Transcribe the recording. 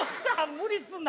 無理すんな。